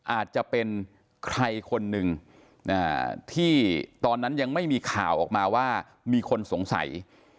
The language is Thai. อาจจะเป็นใครคนหนึ่งที่ตอนนั้นยังไม่มีข่าวออกมาว่ามีคนสงสัย